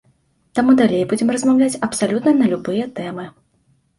Таму далей будзем размаўляць абсалютна на любыя тэмы.